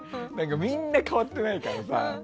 みんな変わってないからさ。